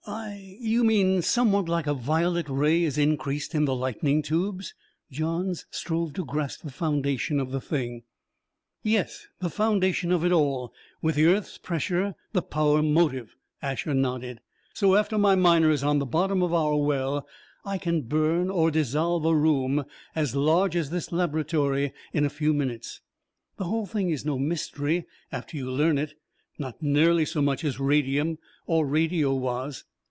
"I you mean somewhat like a violet ray is increased in the lightning tubes?" Johns strove to grasp the foundation of the thing. "Yes, the foundation of it all with the earth's pressure the power motive," Asher nodded. "So, after my Miner is on the bottom of our well, I can burn or dissolve a room as large as this laboratory in a few minutes. The whole thing is no mystery after you learn it not nearly so much as radium, or radio, was.